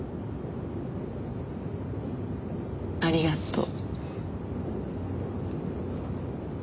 ありがとう。